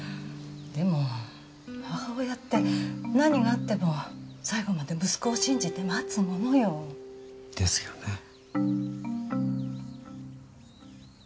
でも母親って何があっても最後まで息子を信じて待つものよ。ですよね。